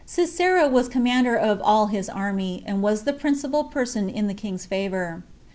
Sisera was commander of all his army, and was the principal person in the king's favor.